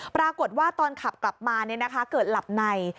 ปรากฏว่าตอนขับกลับมาเกิดหลับใน